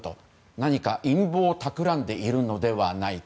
何か陰謀を企んでいるのではないか。